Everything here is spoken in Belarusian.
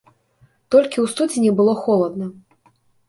Толькі ў студзені было холадна.